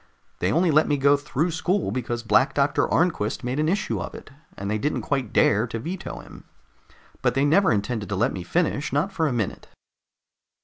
They only let me go through school because Black Doctor Arnquist made an issue of it, and they didn't quite dare to veto him. But they never intended to let me finish, not for a minute."